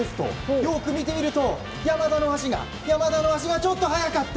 よく見てみると山田の足がちょっと早かった！